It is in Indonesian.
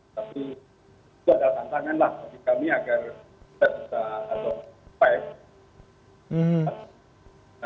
tapi itu adalah tantangan lah bagi kami agar kita bisa atau fight